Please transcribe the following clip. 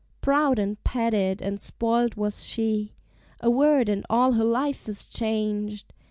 Proud and petted and spoiled was she: A word, and all her life is changed!